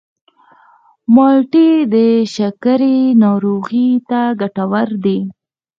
مالټې د شکرې ناروغانو ته ګټورې دي.